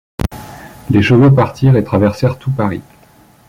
Les chevaux partirent et traversèrent tout Paris.